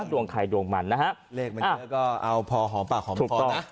ดวงใครดวงมันนะฮะเลขมันเยอะก็เอาพอหอมปากหอมคอ